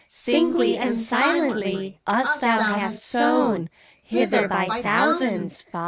Singly and silently Us thou hast sown; Hither, by thousands.